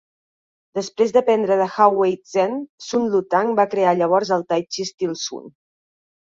Després d'aprendre de Hao Wei-zhen, Sun Lutang va crear llavors el Tai Chi estil Sun.